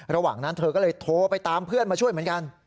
ระหว่างนั้นเธอก็เลยโทรไปตามเพื่อนมาช่วยเหมือนกัน